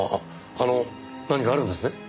あの何かあるんですね？